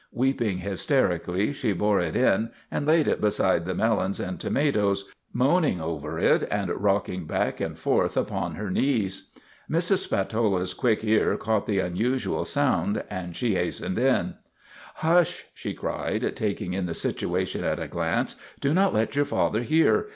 Weeping hysterically she bore it in and laid it beside the melons and tomatoes, moaning over it and rock ing back and forth upon her knees. Mrs. Spatola's quick ear caught the unusual sound and she hastened in. ; Hush !' she cried, taking in the situation at a glance. " Do not let your father hear.